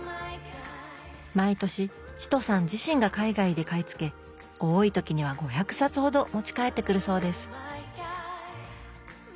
毎年チトさん自身が海外で買い付け多い時には５００冊ほど持ち帰ってくるそうです